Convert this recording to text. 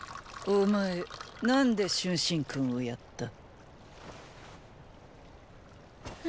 お前何で春申君を殺った？